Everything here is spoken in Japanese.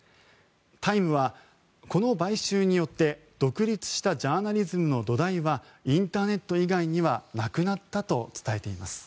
「タイム」はこの買収によって独立したジャーナリズムの土台はインターネット以外にはなくなったと伝えています。